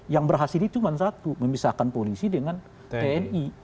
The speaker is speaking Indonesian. yang berhasil itu cuma satu memisahkan polisi dengan tni